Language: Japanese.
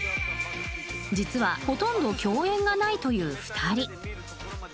実は、ほとんど共演がないという２人。